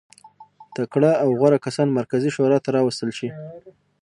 تکړه او غوره کسان مرکزي شورا ته راوستل شي.